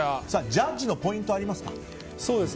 ジャッジのポイントありますか？